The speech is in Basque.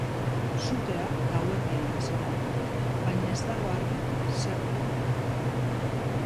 Sutea gauerdian hasi da, baina ez dago argi zer dela eta.